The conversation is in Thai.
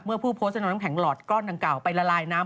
ผู้โพสต์จะนำน้ำแข็งหลอดก้อนดังกล่าวไปละลายน้ำ